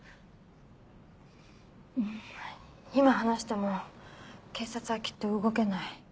今話しても警察はきっと動けない。